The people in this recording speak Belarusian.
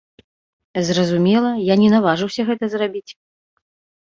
Зразумела, я не наважыўся гэта зрабіць.